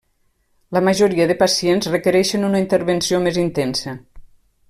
La majoria de pacients requereixen una intervenció més intensa.